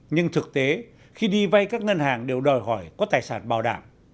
nhưng thực tế khi đi vay các ngân hàng đều đòi hỏi có tài sản bảo đảm